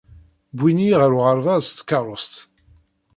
Wwin-iyi ɣer uɣerbaz s tkeṛṛust.